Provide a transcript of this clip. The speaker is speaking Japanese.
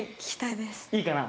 いいかな？